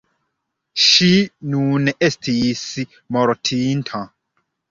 Ŝi nun estis mortinta.